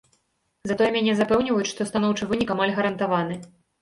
Затое мяне запэўніваюць, што станоўчы вынік амаль гарантаваны.